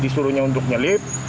suruhnya untuk nyelip